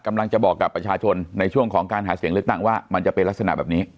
กำลังจะบอกกับประชาชนในช่วงของการหาเสียงเลือกตั้งว่ามันจะเป็นลักษณะแบบนี้